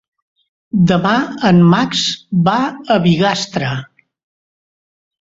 Demà en Max va a Bigastre.